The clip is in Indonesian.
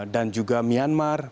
dan juga myanmar